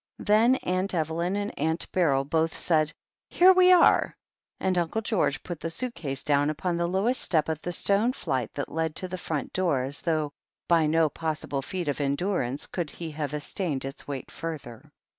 Then Aunt Evel)m and Aunt Beryl both said, "Here we are !" and Uncle George put the suit case down upon the lowest step of the stone flight that led to the front door as though by no possible feat of endurance could he have sustained its weight further.